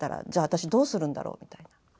私どうするんだろうみたいな。